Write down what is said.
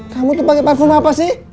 kamu tuh pake parfum apa sih